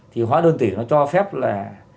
thì hóa đơn tử nó cho phép là